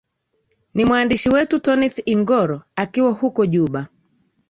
ni mwandishi wetu tonnis ingoro akiwa huko juba